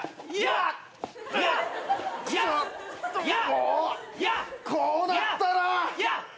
もうこうなったら。